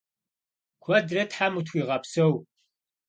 Kuedre them vutxuiğepseu!